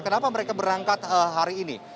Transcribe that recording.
kenapa mereka berangkat hari ini